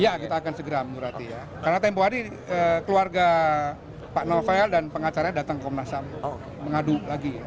ya kita akan segera menyurati ya karena tempoh hari ini keluarga pak novel dan pengacaranya datang komnas ham mengadu lagi ya